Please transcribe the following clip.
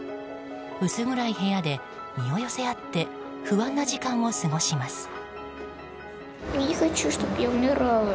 薄暗い部屋で身を寄せ合って不安な時間を過ごします。